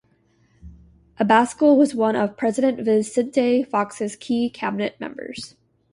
Abascal was one of President Vicente Fox's key cabinet members.